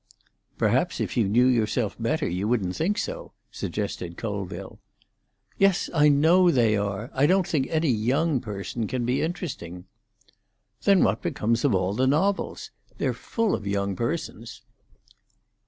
"Perhaps if you knew yourself better you wouldn't think so," suggested Colville. "Yes, I know they are. I don't think any young person can be interesting." "Then what becomes of all the novels? They're full of young persons."